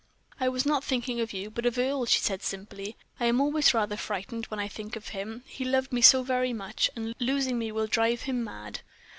"I was not thinking of you, but of Earle," she said, simply. "I am always rather frightened when I think of him: he loved me so very much, and losing me will drive him mad."